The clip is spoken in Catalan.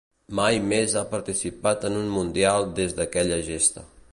Mai més ha participat en un Mundial des d'aquella gesta.